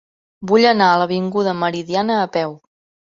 Vull anar a l'avinguda Meridiana a peu.